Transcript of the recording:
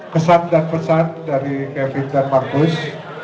pesan dan pesan dari kevin dan marcus